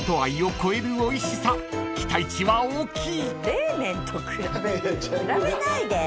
［期待値は大きい］